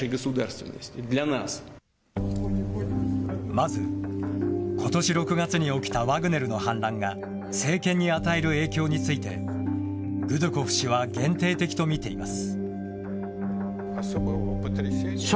まず、ことし６月に起きたワグネルの反乱が政権に与える影響について、グドゥコフ氏は限定的と見ています。